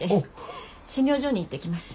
診療所に行ってきます。